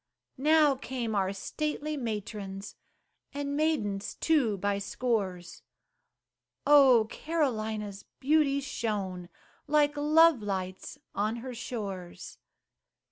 Now came our stately matrons, And maidens too by scores; Oh! Carolina's beauty shone Like love lights on her shores.